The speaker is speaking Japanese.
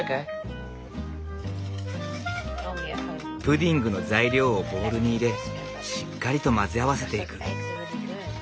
プディングの材料をボウルに入れしっかりと混ぜ合わせていく。